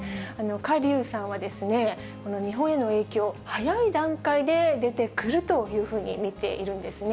柯隆さんは、日本への影響、早い段階で出てくるというふうに見ているんですね。